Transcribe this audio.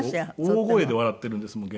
大声で笑っているんですもん